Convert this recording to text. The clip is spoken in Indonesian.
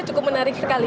cukup menarik sekali